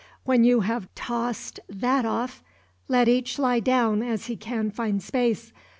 When you have tossed that off, let each lie down as he can find space.